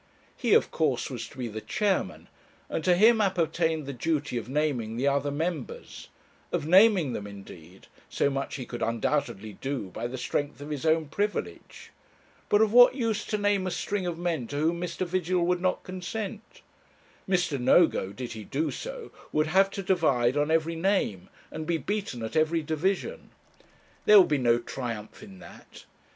He of course was to be the chairman, and to him appertained the duty of naming the other members; of naming them indeed so much he could undoubtedly do by the strength of his own privilege. But of what use to name a string of men to whom Mr. Vigil would not consent? Mr. Nogo, did he do so, would have to divide on every name, and be beaten at every division. There would be no triumph in that.